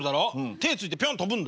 手ついてピョン跳ぶんだよ。